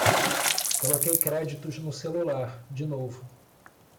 Coloquei créditos no celular, de novo